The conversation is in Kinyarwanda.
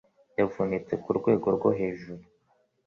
Yavunitse kurwego rwo hejuru